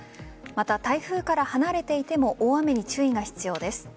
また、台風から離れていても大雨に注意が必要です。